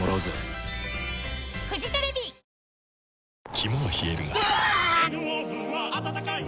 肝は冷えるがうわ！